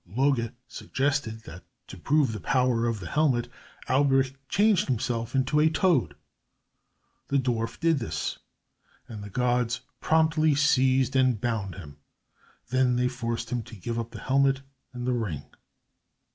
Loge suggested that, to prove the power of the helmet, Alberich change himself into a toad. The dwarf did this, and the gods promptly seized and bound him. They then forced him to give up the helmet and the ring.